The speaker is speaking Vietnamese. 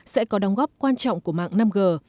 sẽ có đóng góp quan trọng của mạng năm g